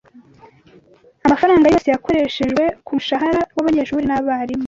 amafaranga yose yakoreshejwe kumushahara wabanyeshuri nabarimu